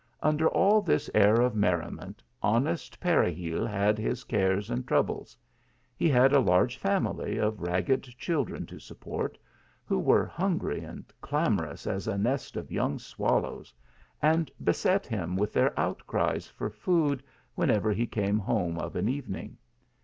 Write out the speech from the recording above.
, Under all this air of merriment, honest Pere ~gil had his cares and troubles. He had a large family of ragged children to support, who were hungry and clamorous as a nest of young swallows, and beset him with their outcries for food whenever he came home of an evening.